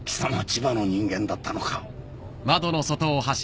千葉の人間だったのか！？